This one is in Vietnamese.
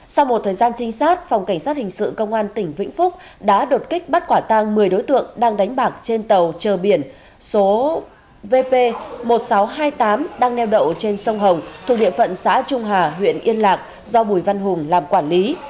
sau một thời gian trinh sát phòng cảnh sát hình sự công an tỉnh vĩnh phúc đã đột kích bắt quả tang một mươi đối tượng đang đánh bạc trên tàu chờ biển số vp một nghìn sáu trăm hai mươi tám đang neo đậu trên sông hồng thuộc địa phận xã trung hà huyện yên lạc do bùi văn hùng làm quản lý